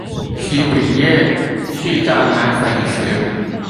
食品業製造奶粉時